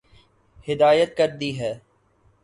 ہدایت کردی ہے